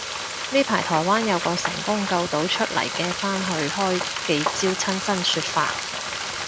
呢排台灣有個成功救到出嚟嘅返去開記招親身說法